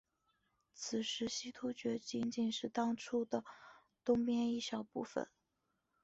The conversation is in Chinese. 此时的西突厥仅仅是当初的东边一小部分。